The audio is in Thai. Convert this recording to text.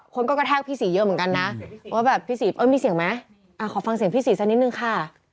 คนก็กระแทกพี่ศรีเยอะเหมือนกันนะว่าแบบพี่ศรีเอ้ยมีเสียงไหมขอฟังเสียงพี่ศรีสักนิดนึงค่ะ